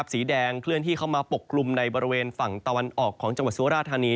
สีแดงเคลื่อนที่เข้ามาปกกลุ่มในบริเวณฝั่งตะวันออกของจังหวัดสุราธานี